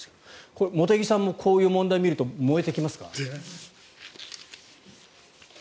これ、茂木さんもこういう問題を見ると燃えてきますか？